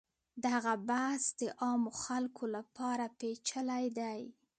دغه بحث د عامو خلکو لپاره پیچلی دی.